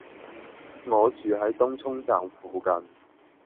我住喺東涌站附近